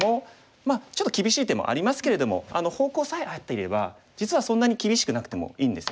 まあちょっと厳しい手もありますけれども方向さえ合っていれば実はそんなに厳しくなくてもいいんですよね。